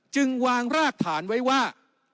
จึงวางรากฐานไว้ว่า